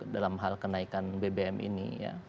dalam hal kenaikan bbm ini